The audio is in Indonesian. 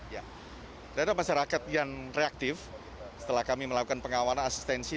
ya tidak ada masyarakat yang reaktif setelah kami melakukan pengawalan asistensi